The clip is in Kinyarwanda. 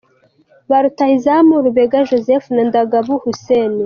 Ba Rutahizamu:Rubega Joseph na Ndagabu Hussein.